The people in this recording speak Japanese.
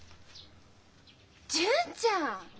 純ちゃん！